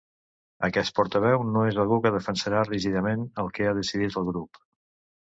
Aquest portaveu no és algú que defensarà rígidament el que ha decidit el grup.